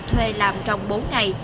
thuê làm trong bốn ngày